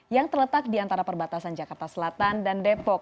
yang terletak di antara perbatasan jakarta selatan dan depok